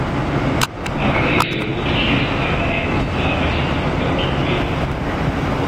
Margarete protegierte zeitlebens zahlreiche Künstler und Poeten.